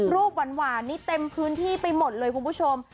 หวานนี่เต็มพื้นที่ไปหมดเลยคุณผู้ชม